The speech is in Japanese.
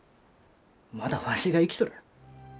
まだわしが生きとる。